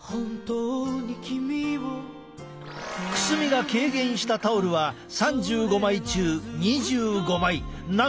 くすみが軽減したタオルは３５枚中２５枚。